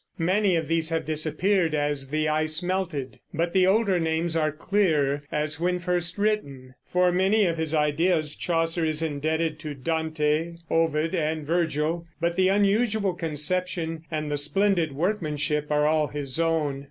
Many of these have disappeared as the ice melted; but the older names are clear as when first written. For many of his ideas Chaucer is indebted to Dante, Ovid, and Virgil; but the unusual conception and the splendid workmanship are all his own.